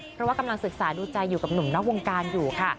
เพราะว่ากำลังศึกษาดูใจอยู่กับหนุ่มนอกวงการอยู่ค่ะ